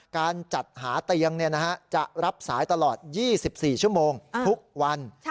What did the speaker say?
การจัดหาเตียงจะรับสายตลอด๒๔ชั่วโมงทุกวัน